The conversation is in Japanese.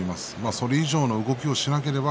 それ以上の動きをしなければ